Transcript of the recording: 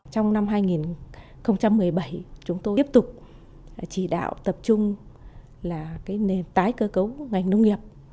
trong năm hai nghìn một mươi bảy chúng tôi tiếp tục chỉ đạo tập trung là nền tái cơ cấu ngành nông nghiệp